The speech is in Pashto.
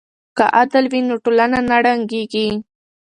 که عدل وي نو ټولنه نه ړنګیږي.